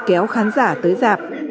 kéo khán giả tới dạp